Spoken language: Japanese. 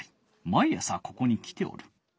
毎朝ここに来ておる。